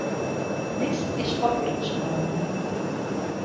Liszt- és papiros-malom.